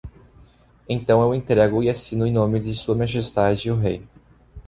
Então eu entrego e assino em nome de Sua Majestade o Rei.